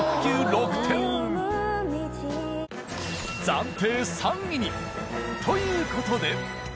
暫定３位に。という事で。